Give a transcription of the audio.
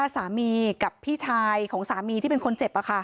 สามีกับพี่ชายของสามีที่เป็นคนเจ็บ